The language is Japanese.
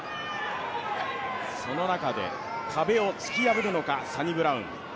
その中で壁を突き破るのか、サニブラウン。